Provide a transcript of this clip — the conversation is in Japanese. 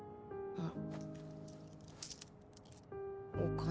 あっ。